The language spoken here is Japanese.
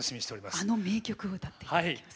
あの名曲を歌っていただきます。